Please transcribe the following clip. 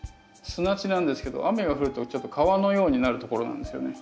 砂地なんですけど雨が降るとちょっと川のようになるところなんですよね。